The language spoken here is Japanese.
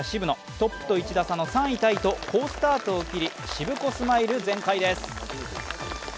トップと１打差の３位タイと好スタートを切りしぶこスマイル全開です。